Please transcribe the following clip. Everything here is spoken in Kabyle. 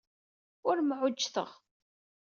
Ur mɛujjteɣ.